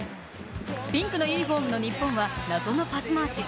ピンクのユニフォームの日本は謎のパス回し。